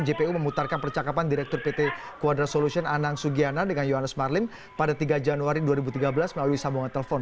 jpu memutarkan percakapan direktur pt quadra solution anang sugiana dengan johannes marlim pada tiga januari dua ribu tiga belas melalui sambungan telepon